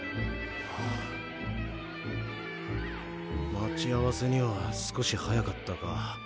待ち合わせには少し早かったか。